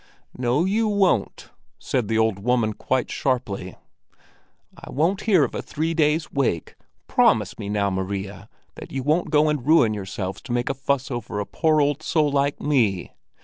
"No, you won't!" said the old woman quite sharply. "I won't hear of a three days' wake! Promise me now, Maria, that you won't go and ruin yourselves to make a fuss over a poor old soul like me!